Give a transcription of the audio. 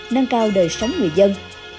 nâng cao đời sống người dân